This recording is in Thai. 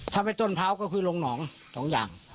ทำไว้จนเผาคือโรงหนอง